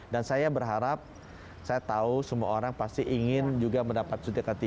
dan saya berharap saya tahu semua orang pasti ingin juga mendapat suntik k tiga